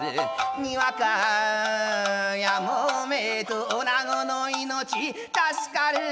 「にわかやもめと女子の命助かるならば喜んで」